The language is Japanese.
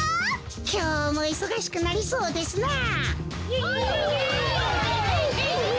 きょうもいそがしくなりそうですなあ。